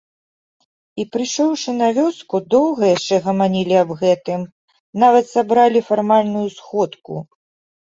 І, прыйшоўшы на вёску, доўга яшчэ гаманілі аб гэтым, нават сабралі фармальную сходку.